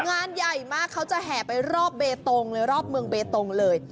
งานใหญ่มากเขาจะแห่ไปรอบเบตงเลยรอบเมืองเบตงเลย